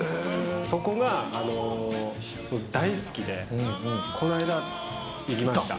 そこが大好きで、この間、行きました。